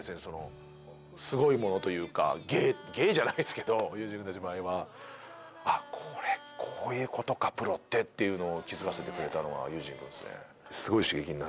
そのすごいものというか芸芸じゃないですけど悠仁くんたちの場合は「あっこういうことかプロって」っていうのを気づかせてくれたのは悠仁くんっすね